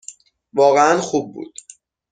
واقعاً خوب بود.